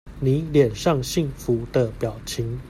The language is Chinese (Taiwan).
妳臉上幸福的表情